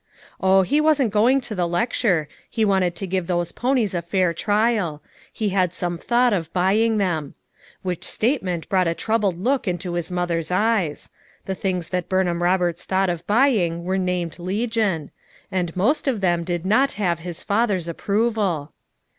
Oh, he wasn't going to the lecture ; he wanted to give those ponies a fair trial ; he had some thought of buying them. Which statement brought a troubled look into his mother's eyes; the things that Burnham Koberts thought of 156 FOUR MOTHERS AT CHAUTAUQUA buying were named legion; and most of them did not have liis father's approval.